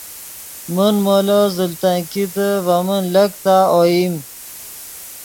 من مولو زل تنگ کیتے ڤے من لک تا اوئیم